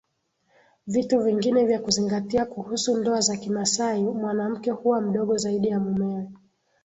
Vitu vingine vya kuzingatia kuhusu ndoa za kimasai mwanamke huwa mdogo zaidi ya mumewe